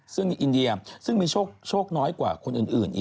ซึ่งมีอินเดียซึ่งมีโชคน้อยกว่าคนอื่นอีก